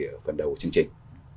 ở phần đầu chương trình